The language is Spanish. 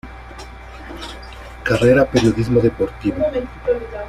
Carrera Periodismo deportivo.